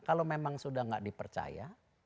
kalau memang sudah tidak dipercaya